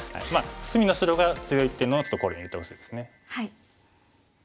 隅の白が強いっていうのをちょっと考慮に入れてほしいです。